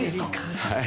はい。